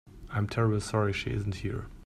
I'm terribly sorry she isn't here.